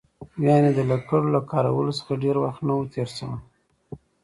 یعنې د لکړو له کارولو څخه ډېر وخت نه و تېر شوی.